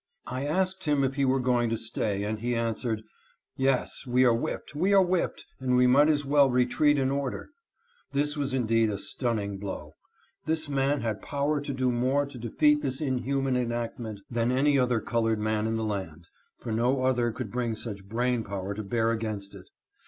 I asked him if he were going to stay, and he answered: "Yes; we are whipped, we are whipped, and we might as well retreat in order." This was indeed a stunning blow. This man had power to do more to de feat this inhuman enactment than any other colored man in the land, for no other could bring such brain power to bear against it.